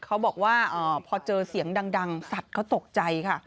เขาบอกว่าพอเจอเสียงดังสัตว์เขาตกใจค่ะ